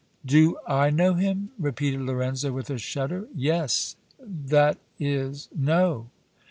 "Do I know him?" repeated Lorenzo, with a shudder. "Yes that is no!"